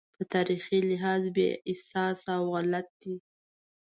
په تاریخي لحاظ بې اساسه او غلط دی.